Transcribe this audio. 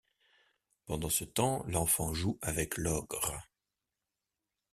Pendant ce temps, l’enfant joue avec l’ogre.